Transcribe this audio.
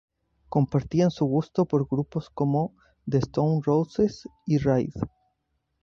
Compartían su gusto por grupos como The Stone Roses y Ride.